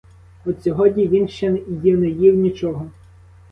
От сьогодні він ще й не їв нічого.